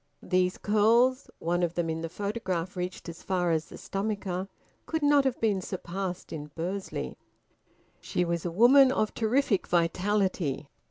These curls one of them in the photograph reached as far as the stomacher could not have been surpassed in Bursley. She was a woman of terrific vitality.